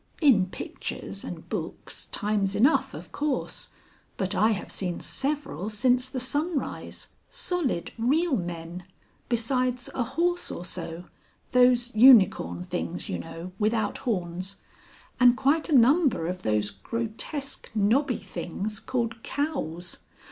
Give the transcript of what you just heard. In pictures and books, times enough of course. But I have seen several since the sunrise, solid real men, besides a horse or so those Unicorn things you know, without horns and quite a number of those grotesque knobby things called 'cows.'